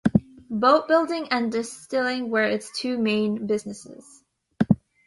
Boat building and distilling were its two main businesses.